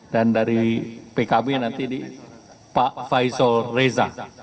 dan dari pkb nanti pak faisal reza